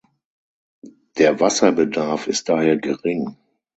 Der Wasserbedarf ist daher gering.